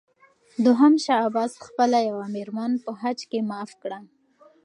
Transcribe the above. دوهم شاه عباس خپله یوه مېرمن په حج کې معاف کړه.